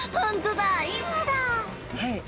はい。